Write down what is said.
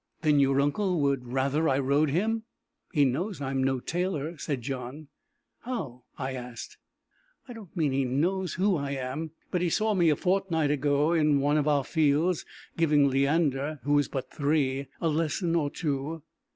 "Then your uncle would rather I rode him! He knows I am no tailor!" said John. "How?" I asked. "I don't mean he knows who I am, but he saw me a fortnight ago, in one of our fields, giving Leander, who is but three, a lesson or two.